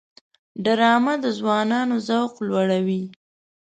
ډرامه د ځوانانو ذوق لوړوي